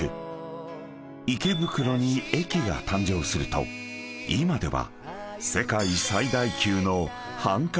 ［池袋に駅が誕生すると今では］